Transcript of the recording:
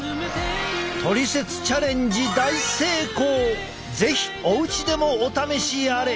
トリセツチャレンジ是非おうちでもお試しあれ！